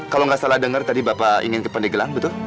kalau gak salah denger tadi bapak ingin ke pandeglang betul